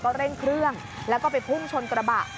เร่งเครื่องแล้วก็ไปพุ่งชนกระบะ